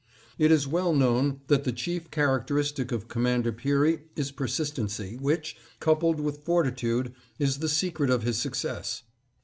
It is well known that the chief characteristic of Commander Peary is persistency which, coupled with fortitude, is the secret of his success.